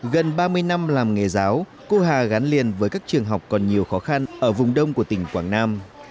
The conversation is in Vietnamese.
gần ba mươi năm làm nghề giáo cô hà gắn liền với các trường học còn nhiều khó khăn ở vùng đông của tỉnh quảng nam